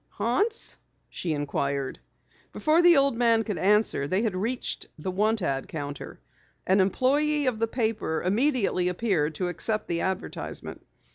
"Haunts?" she inquired. Before the old man could answer they had reached the want ad counter. An employee of the paper immediately appeared to accept the advertisement.